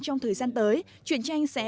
trong thời gian tới chuyện tranh sẽ